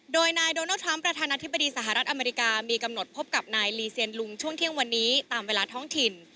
โดยนายโดนัลดทรัมป์ประธานาธิบดีสหรัฐอเมริกามีกำหนดพบกับนายลีเซียนลุงช่วงเที่ยงวันนี้ตามเวลาท้องถิ่น